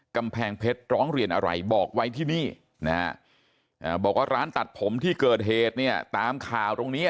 กำแพงเพชรร้องเรียนอะไรบอกไว้ที่นี่นะฮะบอกว่าร้านตัดผมที่เกิดเหตุเนี่ยตามข่าวตรงนี้